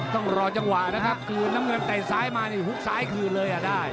ต้องรอจังหวะนะครับคืนน้ำเงินแต่ซ้ายมานี่ฮุกซ้ายคืนเลยอ่ะได้